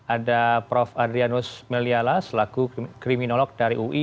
ada prof adrianus meliala selaku kriminolog dari ui